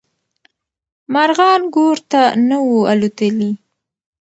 مارغان ګور ته نه وو الوتلي.